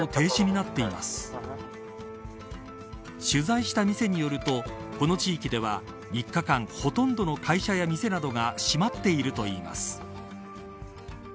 取材した店によるとこの地域では３日間ほとんどの会社や店などが閉まっているといいます。